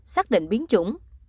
xác định biến chủng